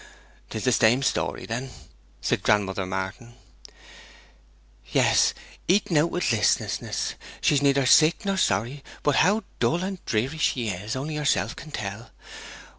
''Tis the same story, then?' said grandmother Martin. 'Yes. Eaten out with listlessness. She's neither sick nor sorry, but how dull and dreary she is, only herself can tell.